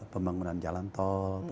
pembangunan jalan tol